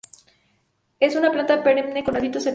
Es una planta perenne con hábito epífita.